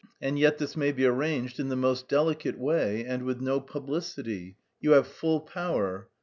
"And yet this may be arranged in the most delicate way and with no publicity; you have full power."